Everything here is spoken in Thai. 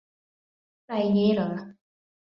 ไรงี้เหรอ